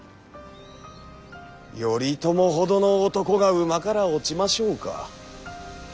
頼朝ほどの男が馬から落ちましょうか。